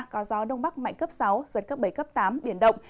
có gió đông bắc mạnh cấp sáu giật cấp bảy cấp tám biển động